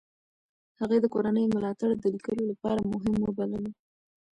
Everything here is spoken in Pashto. هغې د کورنۍ ملاتړ د لیکلو لپاره مهم وبللو.